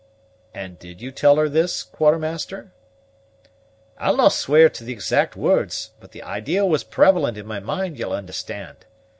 "And did you tell her this, Quartermaster?" "I'll no' swear to the exact words, but the idea was prevalent in my mind, ye'll understand.